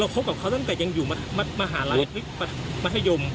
คบกับเขาตั้งแต่ยังอยู่มหาลัยมัธยม